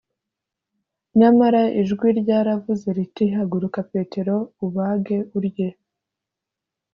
Nyamara ijwi ryaravuze riti haguruka Petero ubage urye